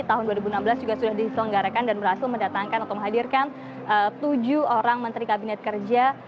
tahun dua ribu enam belas juga sudah diselenggarakan dan berhasil mendatangkan atau menghadirkan tujuh orang menteri kabinet kerja